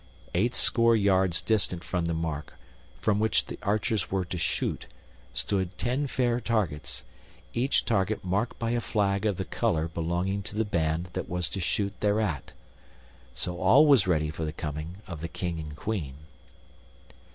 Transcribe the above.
Eightscore yards distant from the mark from which the archers were to shoot stood ten fair targets, each target marked by a flag of the color belonging to the band that was to shoot thereat. So all was ready for the coming of the King and Queen.